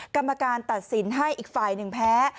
กรรมการตัดสินให้อีกฝ่ายหนึ่งแพ้